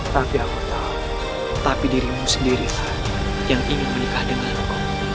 tapi aku tahu tapi dirimu sendiri yang ingin menikah dengan aku